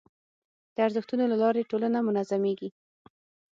د ارزښتونو له لارې ټولنه منظمېږي.